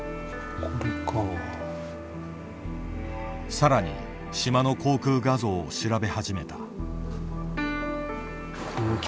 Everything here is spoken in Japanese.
さらに島の航空画像を調べ始めた。